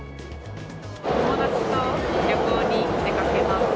友達と旅行に出かけます。